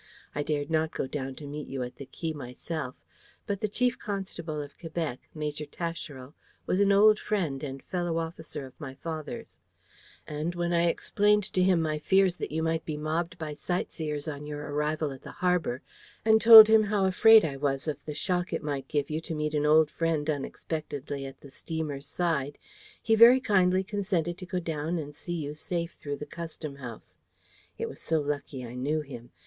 I dared not go down to meet you at the quay myself; but the Chief Constable of Quebec, Major Tascherel, was an old friend and fellow officer of my father's; and when I explained to him my fears that you might be mobbed by sightseers on your arrival at the harbour, and told him how afraid I was of the shock it might give you to meet an old friend unexpectedly at the steamer's side, he very kindly consented to go down and see you safe through the Custom House, It was so lucky I knew him.